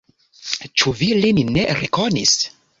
Ĉu vi lin ne rekonis?